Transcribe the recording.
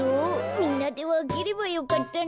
みんなでわければよかったな。